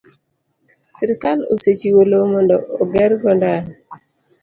sirkal osechiwo lowo mondo ogergo ndara.